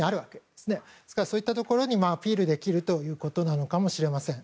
ですから、そういったところにアピールできるということなのかもしれません。